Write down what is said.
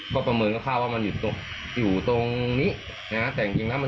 ก็ประเมินคร่าวว่ามันอยู่ตรงอยู่ตรงนี้นะฮะแต่จริงจริงแล้วมัน